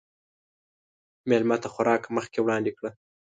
مېلمه ته خوراک مخکې وړاندې کړه.